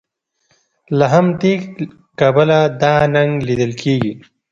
له همدې کبله دا نهنګ لیدل کیږي